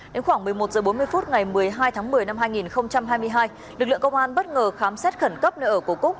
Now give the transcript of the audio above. đến khoảng một mươi một h bốn mươi phút ngày một mươi hai tháng một mươi năm hai nghìn hai mươi hai lực lượng công an bất ngờ khám xét khẩn cấp nơi ở của cúc